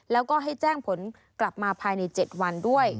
แล้วก็ให้แจ้งผลกลับมาภายใน๗วันด้วย